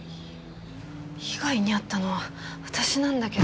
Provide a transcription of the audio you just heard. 被害に遭ったのは私なんだけど。